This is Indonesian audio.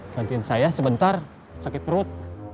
gantiin saya sebentar sakit perut